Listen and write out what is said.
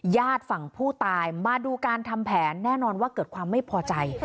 ญาติฝั่งผู้ตายมาดูการทำแผนแน่นอนว่าเกิดความไม่พอใจ